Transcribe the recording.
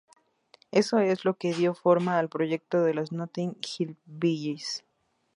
Eso es lo que dio forma al proyecto de los Notting Hillbillies.